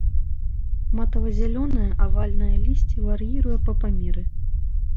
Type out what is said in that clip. Матава-зяленае, авальнае лісце вар'іруе па памеры.